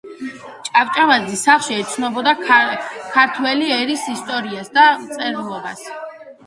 ჭავჭავაძის სახლში ეცნობოდა ქართველი ერის ისტორიასა და მწერლობას.